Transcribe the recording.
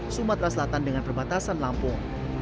sumatera selatan dengan perbatasan lampung